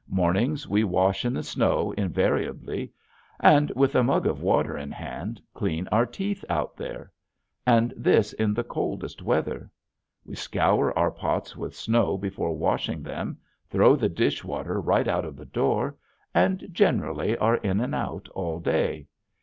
Mornings we wash in the snow, invariably. And with a mug of water in hand clean our teeth out there and this in the coldest weather. We scour our pots with snow before washing them, throw the dish water right out of the door, and generally are in and out all day....